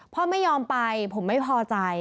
พ่อไม่ยอมไปผมไม่พอใจ